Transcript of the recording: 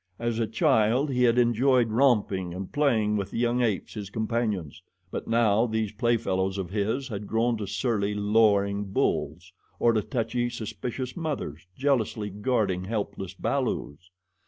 As a child he had enjoyed romping and playing with the young apes, his companions; but now these play fellows of his had grown to surly, lowering bulls, or to touchy, suspicious mothers, jealously guarding helpless balus.